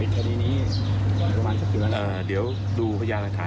ตอนนี้ก็ยังมีปัญหา